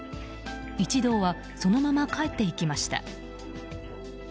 一同はそのまま帰っていきました。